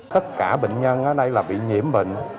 tất cả bệnh nhân ở đây là bị nhiễm bệnh